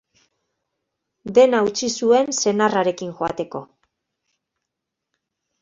Dena utzi zuen senarrarekin joateko.